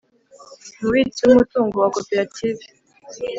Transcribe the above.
umubitsi w umutungo wa koperative